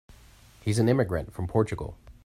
He's an immigrant from Portugal.